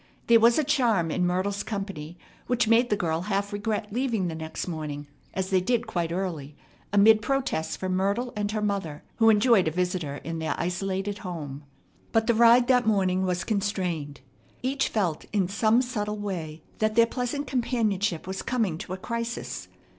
There was a charm in Myrtle's company which made the girl half regret leaving the next morning, as they did quite early, amid protests from Myrtle and her mother, who enjoyed a visitor in their isolated home. But the ride that morning was constrained. Each felt in some subtle way that their pleasant companionship was coming to a crisis.